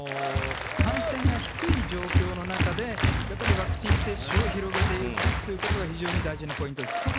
感染が低い状況の時にワクチン接種を広げていくということが非常に大事なポイントです。